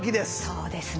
そうですね。